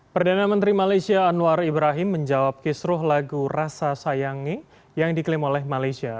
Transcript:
perdana menteri malaysia anwar ibrahim menjawab kisruh lagu rasa sayangi yang diklaim oleh malaysia